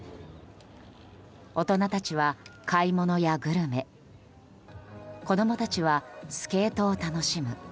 大人たちは買い物やグルメ子供たちはスケートを楽しむ。